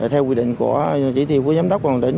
theo quy định của chỉ tiêu của giám đốc công an tỉnh